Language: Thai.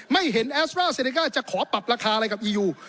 ไม่เห็นแอสตราเซเนก้าจะขอปรับราคาอะไรกับอียู